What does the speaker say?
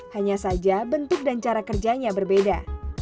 hanya saja bentuk dan cara kerjanya berbeda